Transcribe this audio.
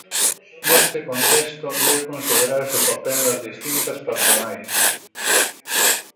Neste contexto debe considerarse o papel das distintas patronais.